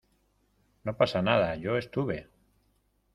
no pasa nada, yo estuve.